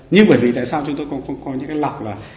nhưng bởi vì tại sao chúng tôi không có những lọc là